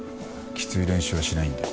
きつい練習はしないんで。